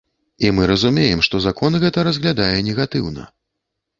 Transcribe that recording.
І мы разумеем, што закон гэта разглядае негатыўна.